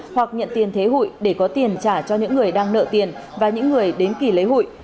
hoặc nhận tiền thế hụi để có tiền trả cho những người đang nợ tiền và những người đến kỳ lễ hội